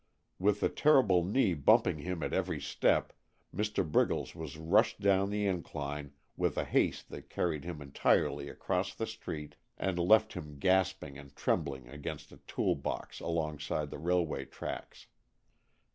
With the terrible knee bumping him at every step, Mr. Briggles was rushed down the incline with a haste that carried him entirely across the street and left him gasping and trembling against a tool box alongside the railway tracks.